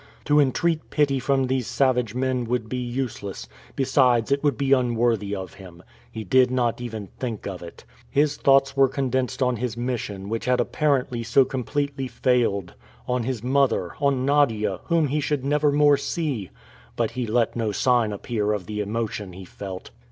To entreat pity from these savage men would be useless, besides, it would be unworthy of him. He did not even think of it. His thoughts were condensed on his mission, which had apparently so completely failed; on his mother, on Nadia, whom he should never more see! But he let no sign appear of the emotion he felt.